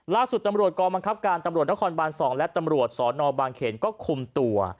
ล่าสุดตำรวจกองบังคับการตำรวจนครบาน๒และตำรวจสนบางเขนก็คุมตัว